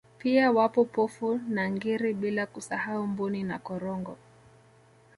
Pia wapo Pofu na Ngiri bila kusahau Mbuni na Korongo